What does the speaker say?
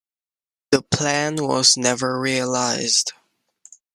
The plan was never realized.